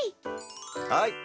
はい。